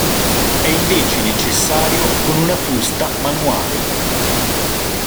È invece necessario con una frusta manuale.